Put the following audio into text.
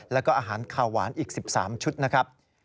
แล้วก็อาหารขาวหวานอีก๑๓ชุดนะครับ